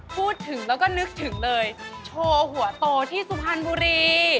พูดถึงแล้วก็นึกถึงเลยโชว์หัวโตที่สุพรรณบุรี